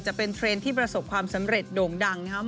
จะเป็นเทรนด์ที่ประสบความสำเร็จโด่งดังนะครับ